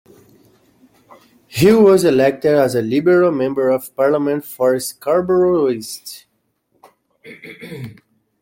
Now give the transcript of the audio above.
He was elected as the Liberal Member of Parliament for Scarborough East.